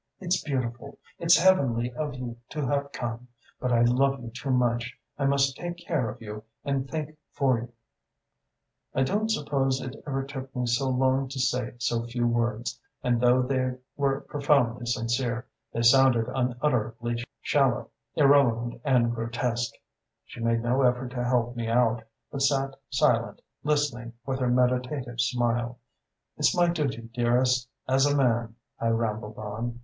It's beautiful, it's heavenly of you to have come; but I love you too much I must take care of you and think for you ' "I don't suppose it ever took me so long to say so few words, and though they were profoundly sincere they sounded unutterably shallow, irrelevant and grotesque. She made no effort to help me out, but sat silent, listening, with her meditative smile. 'It's my duty, dearest, as a man,' I rambled on.